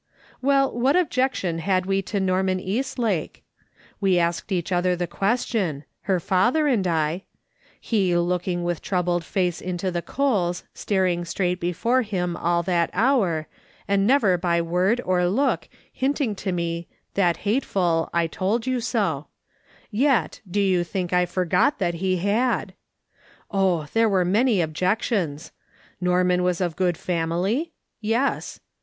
"Well, what objection had we to Norman Eastlake ? "We asked each other the question — her father and I — he, looking with troubled face into the coals, star ing straight before him all that hour, and never by word or look hinting to me that hateful " I told you so," yet, do you think I forgot that he had ! Oh, there were many objections ! Norman was of good family ? Yes.